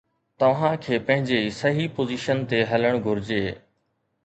توھان کي پنھنجي صحيح پوزيشن تي ھلڻ گھرجي.